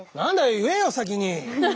言えよ先に！